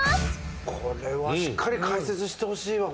これはしっかり解説してほしいわ。